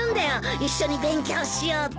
一緒に勉強しようって。